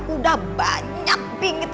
udah banyak bingit